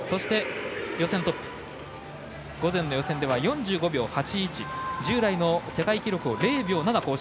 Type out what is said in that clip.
そして、予選トップ午前の予選では４５秒８１従来の世界記録を０秒７更新。